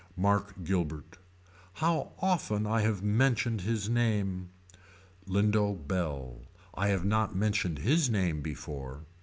Mark Guilbert. How often I have mentioned his name. Lindo Bell. I have not mentioned his name before.